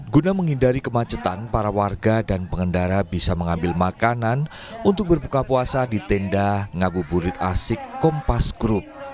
guna menghindari kemacetan para warga dan pengendara bisa mengambil makanan untuk berbuka puasa di tenda ngabuburit asik kompas group